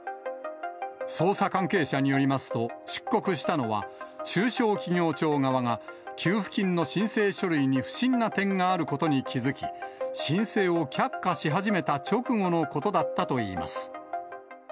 捜査関係者によりますと、出国したのは、中小企業庁側が給付金の申請書類に不審な点があることに気付き、申請を却下し始めた直後のことだったといいます。